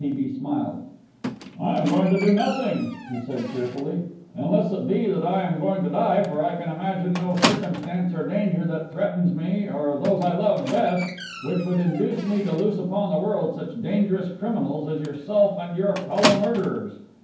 T. B. smiled. "I am going to do nothing," he said cheerfully, "unless it be that I am going to die, for I can imagine no circumstance or danger that threatens me or those I love best which would induce me to loose upon the world such dangerous criminals as yourself and your fellow murderers.